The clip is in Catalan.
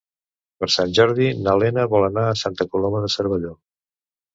Per Sant Jordi na Lena vol anar a Santa Coloma de Cervelló.